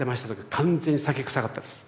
完全に酒臭かったです。